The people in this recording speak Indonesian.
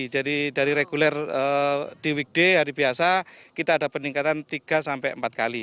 jadi dari reguler di weekday hari biasa kita ada peningkatan tiga sampai empat kali